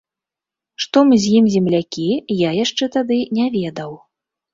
Што мы з ім землякі, я яшчэ тады не ведаў.